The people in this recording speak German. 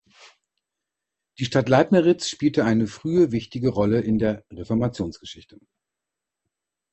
Die Stadt Leitmeritz spielte eine frühe wichtige Rolle in der Reformationsgeschichte.